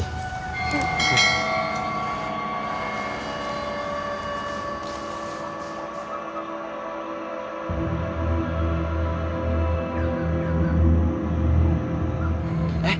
ntar kita jalan jalan lagi